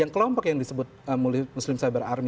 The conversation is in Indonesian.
kelompok yang disebut muslim cyber army